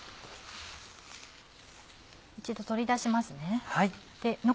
一度取り出しますね。